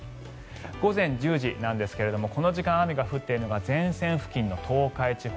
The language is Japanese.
午前１０時ですがこの時間、雨が降っているのが前線付近の東海地方。